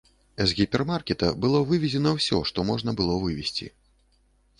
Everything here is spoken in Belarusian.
З гіпермаркета было вывезена ўсё, што можна было вывезці.